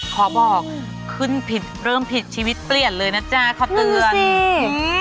ขอบอกขึ้นผิดเริ่มผิดชีวิตเปลี่ยนเลยนะจ๊ะเขาเตือนนี่